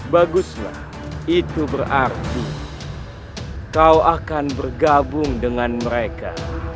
baguslah itu berarti kau akan bergabung dengan mereka